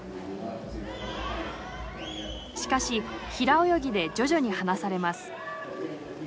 しかし平泳ぎで徐々に離されます。